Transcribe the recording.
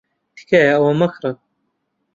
تکایە ئەوە مەکڕن.